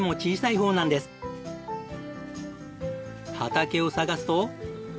畑を探すと。